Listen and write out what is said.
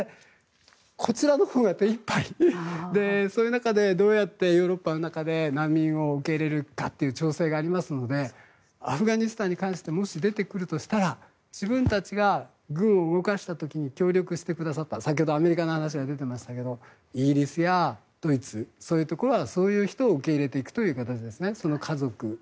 こちらのほうが手いっぱいでそういう中でどうやってヨーロッパの中で難民を受け入れるかという調整がありますのでアフガニスタンに関してもし出てくるとしたら自分たちが軍を動かした時に協力してくださった先ほどアメリカの話が出ていましたがイギリスやドイツそういうところはそういう人、家族を受け入れていくということですね。